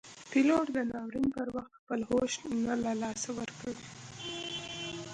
پیلوټ د ناورین پر وخت خپل هوش نه له لاسه ورکوي.